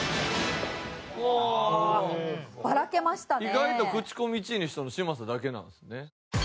意外と口コミ１位にしたの嶋佐だけなんですね。